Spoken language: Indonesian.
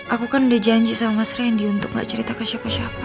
aku kan udah janji sama mas randy untuk gak cerita ke siapa siapa